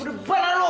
berdebar lah lo